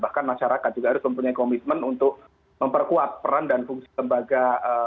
bahkan masyarakat juga harus mempunyai komitmen untuk memperkuat peran dan fungsi lembaga